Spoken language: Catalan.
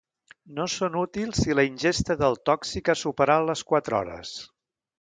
No són útils si la ingesta del tòxic ha superat les quatre hores.